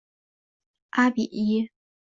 阿比伊。